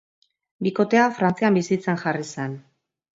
Bikotea Frantzian bizitzen jarri zen.